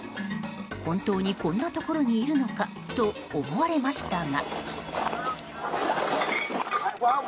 本当にこんなところにいるのかと思われましたが。